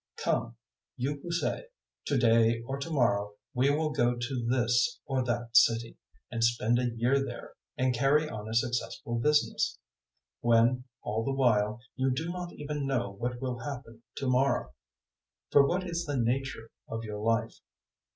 004:013 Come, you who say, "To day or to morrow we will go to this or that city, and spend a year there and carry on a successful business," 004:014 when, all the while, you do not even know what will happen to morrow. For what is the nature of your life?